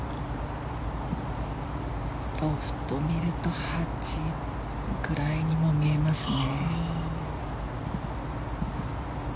ロフトを見ると８くらいにも見えますね。